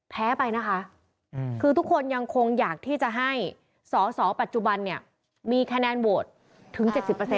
แพ้ไปนะคะคือทุกคนยังคงอยากที่จะให้สอสอปัจจุบันเนี่ยมีคะแนนโหวตถึง๗๐